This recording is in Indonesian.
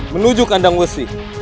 menuju kandang wes